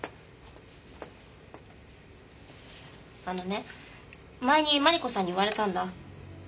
あのね前にマリコさんに言われたんだ。